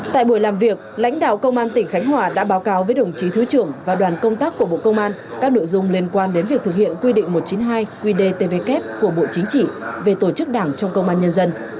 tại buổi làm việc lãnh đạo công an tỉnh khánh hòa đã báo cáo với đồng chí thứ trưởng và đoàn công tác của bộ công an các nội dung liên quan đến việc thực hiện quy định một trăm chín mươi hai qdtvk của bộ chính trị về tổ chức đảng trong công an nhân dân